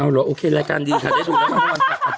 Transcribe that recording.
เอ้าเหรอโอเครายการดี้ก่อนดีต่างหลวน